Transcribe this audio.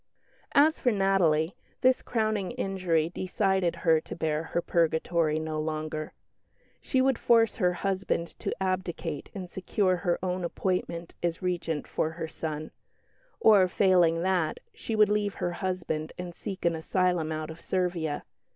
As for Natalie, this crowning injury decided her to bear her purgatory no longer. She would force her husband to abdicate and secure her own appointment as Regent for her son; or, failing that, she would leave her husband and seek an asylum out of Servia.